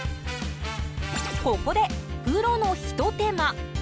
ここで、プロのひと手間。